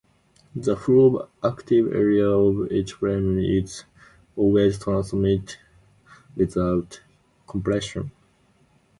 The full active area of each frame is always transmitted without compression.